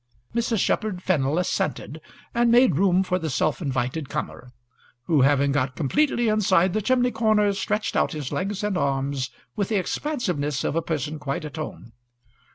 Mrs. Shepherd Fennel assented, and made room for the self invited comer, who, having got completely inside the chimney corner, stretched out his legs and his arms with the expansiveness of a person quite at home.